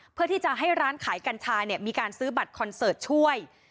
เพื่อที่จะให้ร้านขายกัญชามีการซื้อบัตรคอนเสิร์ตช่วย